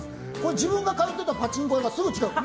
自分が通ってたパチンコ屋がすぐ近く。